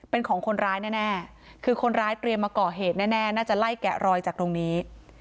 เป็นของคนร้ายแน่คือคนร้ายเตรียมมาก่อเหตุแน่น่าจะไล่แกะรอยจากตรงนี้